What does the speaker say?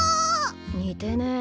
似てねえ。